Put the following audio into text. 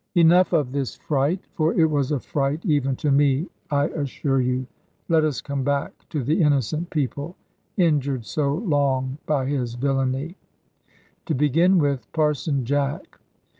Enough of this fright for it was a fright even to me, I assure you let us come back to the innocent people injured so long by his villany. To begin with Parson Jack.